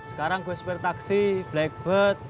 sekarang gue sempurna taksi blackbird